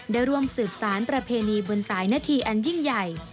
ได้ร่วมสืบสารประเพณีบนสายนาทีอันยิ่งใหญ่